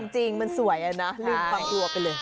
จริงมันสวยนะลืมความกลัวไปเลย